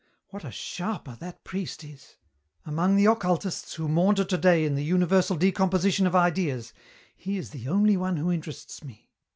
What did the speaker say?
"What a sharper that priest is! Among the occultists who maunder today in the universal decomposition of ideas he is the only one who interests me.